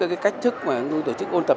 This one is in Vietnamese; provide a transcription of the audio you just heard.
cái cách chức mà chúng tôi tổ chức ôn tập